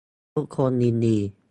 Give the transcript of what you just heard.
ทุกคนยินดี